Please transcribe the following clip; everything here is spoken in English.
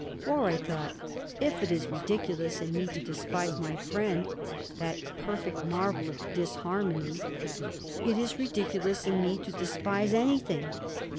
"For," I thought, "if it is ridiculous in me to despise my friend —that perfect marvel of disharmony—it is ridiculous in me to despise anything.